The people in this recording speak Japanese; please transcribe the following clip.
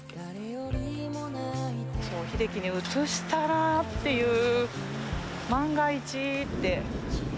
もしひできにうつしたらっていう、万が一って。